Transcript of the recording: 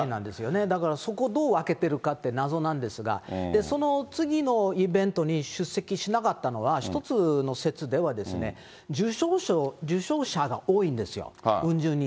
そこ、だからどう分けてるかって謎なんですが、その次のイベントに出席しなかったのは、一つの説では、受賞者が多いんですよ、うん十人。